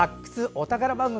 お宝番組」